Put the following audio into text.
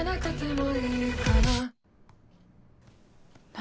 何？